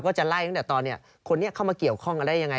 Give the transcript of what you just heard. จะไล่ตั้งแต่ตอนนี้เข้ามาเกี่ยวข้องกันได้ยังไง